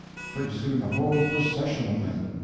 Pretty soon a whole procession of them.